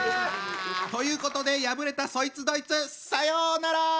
ということで敗れたそいつどいつさようなら！